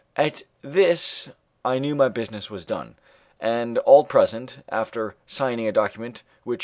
At this I knew my business was done, and all present, after signing a document which M.